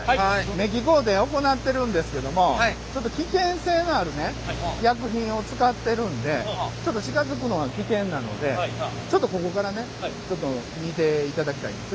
めっき工程行ってるんですけども危険性のある薬品を使ってるんでちょっと近づくのは危険なのでちょっとここからね見ていただきたいんです。